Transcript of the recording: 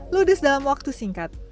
ludus dalam waktu singkat